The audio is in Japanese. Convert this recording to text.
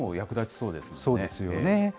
そうですよね。